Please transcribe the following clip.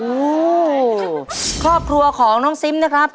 โอ้โหครอบครัวของน้องซิมนะครับ